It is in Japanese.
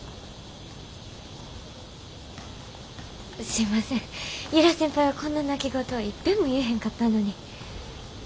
すいません由良先輩はこんな泣き言いっぺんも言えへんかったのに。